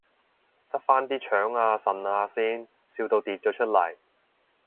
執返啲腸啊腎啊先，笑到跌咗出嚟